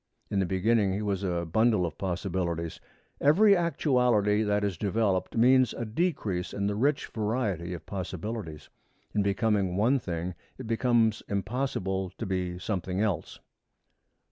In the beginning he was a bundle of possibilities. Every actuality that is developed means a decrease in the rich variety of possibilities. In becoming one thing it becomes impossible to be something else.